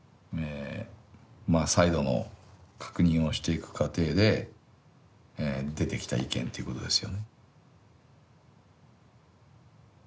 まあ再度の確認をしていく過程で出てきた意見っていうことですよね。